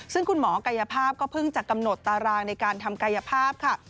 ซึ่งคุณหมอกายภาพก็เพิ่งจะกำหนดตารางในการทำกายภาพค่ะ